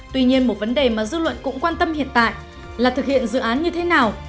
tuy nhiên một vấn đề mà dư luận cũng quan tâm hiện tại là thực hiện dự án như thế nào